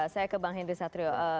saya ke bang hendry satrio